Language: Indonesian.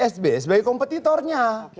sbs sebagai kompetitornya